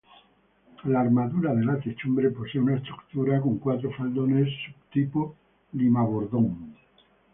La armadura de la techumbre posee una estructura con cuatro faldones, subtipo lima-bordón.